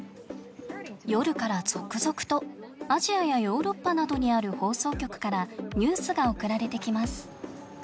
夜から続々とアジアやヨーロッパなどにある放送局からニュースが送られてきます。